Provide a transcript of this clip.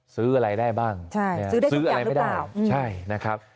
ซื้ออะไรได้บ้างซื้ออะไรไม่ได้ใช่นะครับ